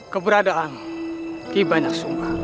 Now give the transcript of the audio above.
keberadaan ki banyak sumba